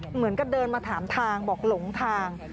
เหมือนกับเดินมาถามทางบอกหลงทาง